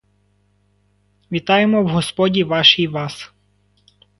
Вітаємо в господі вашій вас!